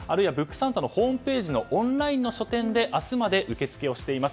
サンタのホームページのオンラインの書店で明日まで受け付けしています。